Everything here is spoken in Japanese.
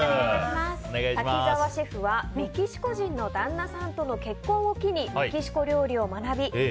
滝沢シェフはメキシコ人の旦那さんとの結婚を機にメキシコ料理を学び